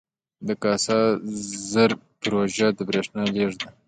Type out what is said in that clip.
د کاسا زر پروژه د بریښنا لیږد ده